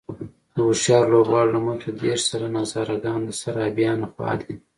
د هوښیارو لوبغاړو له مخې دېرش سلنه هزاره ګان د سرابيانو خوا دي.